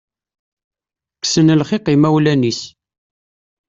Kksen lxiq imawlan-is.